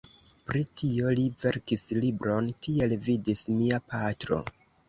Pri tio li verkis libron "Tiel vidis mia patro".